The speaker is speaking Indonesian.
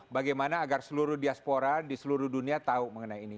bagaimana agar seluruh diaspora di seluruh dunia tahu mengenai ini